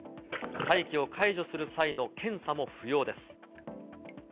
待機を解除する際の検査も不要です。